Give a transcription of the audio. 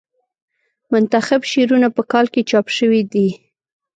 منتخب شعرونه په کال کې چاپ شوې ده.